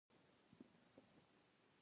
د کور غړي باید یو بل ته بخښنه زده کړي.